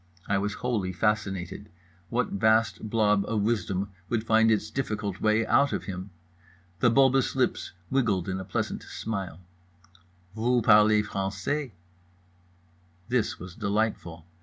I was wholly fascinated. What vast blob of wisdom would find its difficult way out of him? The bulbous lips wiggled in a pleasant smile. "Voo parlez français." This was delightful.